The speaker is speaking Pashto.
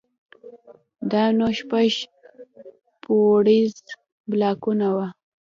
دا نو شپږ پوړيز بلاکونه وو.